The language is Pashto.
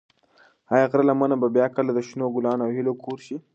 ایا د غره لمنه به بیا کله د شنو ګلانو او هیلو کور شي؟